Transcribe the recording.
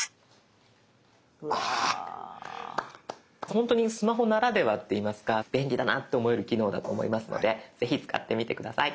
本当にスマホならではって言いますか便利だなと思える機能だと思いますのでぜひ使ってみて下さい。